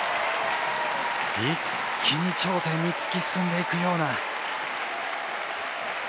一気に頂点につき進んでいくような。